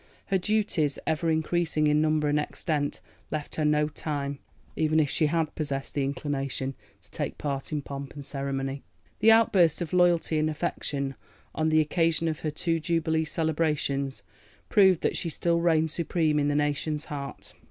Her duties, ever increasing in number and extent, left her no time, even if she had possessed the inclination, to take part in pomp and ceremony. The outburst of loyalty and affection on the occasion of her two Jubilee celebrations proved that she still reigned supreme in the nation's heart.